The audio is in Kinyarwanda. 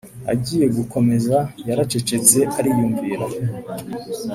agiye gukomeza yaracecetse ariyumvira